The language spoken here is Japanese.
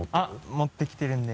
持ってきてるんで。